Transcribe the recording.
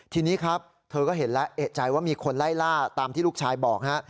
ทีนี้ครับเธอก็เห็นแล้วเอกใจว่ามีคนไล่ล่าตามที่ลูกชายบอกฮะ